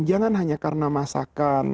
jangan hanya karena masakan